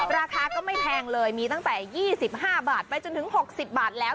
ราคาก็ไม่แพงเลยมีตั้งแต่๒๕บาทไปจนถึง๖๐บาทแล้ว